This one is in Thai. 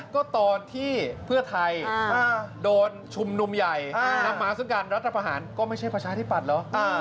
ก็ตอนที่เพื่อไทยโดนชุมนุมใหญ่นำมาซึ่งการรัฐประหารก็ไม่ใช่ประชาธิปัตย์เหรอ